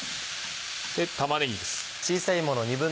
玉ねぎです。